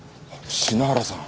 品原さん。